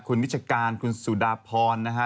คุณวิชาการคุณสุดาพรนะครับ